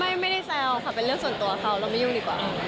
ไม่ได้แซวค่ะเป็นเรื่องส่วนตัวเขาเราไม่ยุ่งดีกว่า